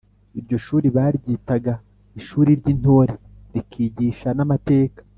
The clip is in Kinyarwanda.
Iryo shuli baryitaga ishuri ry'intore rikigisha n’amateka